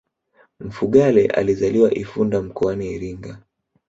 mfugale alizaliwa ifunda mkoani iringa